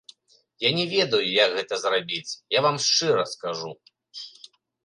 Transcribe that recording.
Я не ведаю, як гэта зрабіць, я вам шчыра скажу.